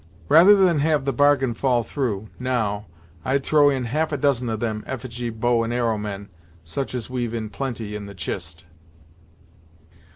Rather than have the bargain fall through, now, I'd throw in half a dozen of them effigy bow and arrow men, such as we've in plenty in the chist."